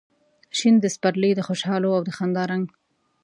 شین د سپرلي د خوشحالو او د خندا رنګ